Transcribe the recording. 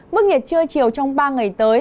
mức nhiệt trưa chiều trong ba ngày tới